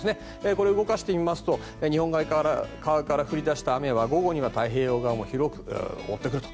これを動かしてみますと日本海側から降り出した雨は午後には太平洋側に持ってくると。